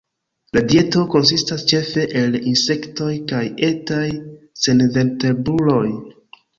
La dieto konsistas ĉefe el insektoj kaj etaj senvertebruloj.